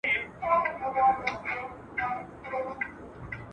که خاوند خپله ميرمن په معروف امر کړه، نو دا به ئې اطاعت کوي.